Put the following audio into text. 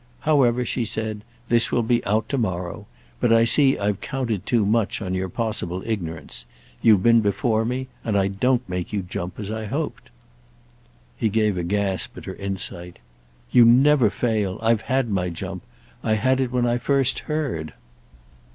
However," she said, "this will be out to morrow. But I see I've counted too much on your possible ignorance. You've been before me, and I don't make you jump as I hoped." He gave a gasp at her insight. "You never fail! I've had my jump. I had it when I first heard."